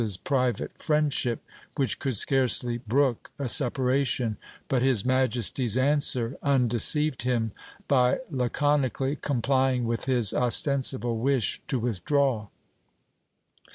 435 prince's private friendship, which could scarcely brook a separation : but his majesty's answer undeceived him, by laconically complying with his ostensible wish to withdraw.